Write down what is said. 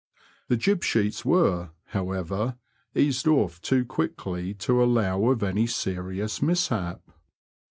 The jib sheets were, however, eased off too quickly to allow of any serious mishap.